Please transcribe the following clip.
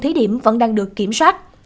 thí điểm vẫn đang được kiểm soát